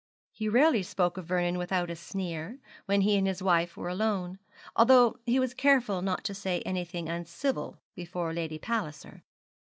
He rarely spoke of Vernon without a sneer, when he and his wife were alone; although he was careful not to say anything uncivil before Lady Palliser.